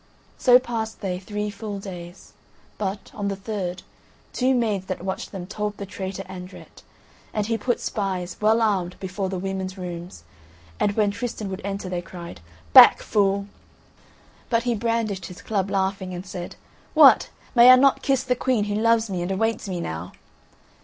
So passed they three full days. But, on the third, two maids that watched them told the traitor Andret, and he put spies well armed before the women's rooms. And when Tristan would enter they cried: "Back, fool!" But he brandished his club laughing, and said: "What! May I not kiss the Queen who loves me and awaits me now?"